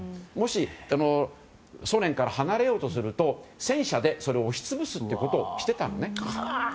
もしソ連から離れようとすると戦車でそれを押し潰すということをしていたんです。